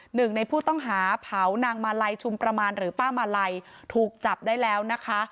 หนึ่งในผู้ต้องหาเผานางมาลัยชุมประมาณหรือป้ามาลัยถูกจับได้แล้วนะคะ